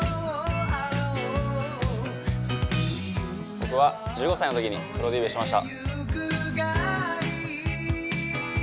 僕は１５歳のときにプロデビューしました。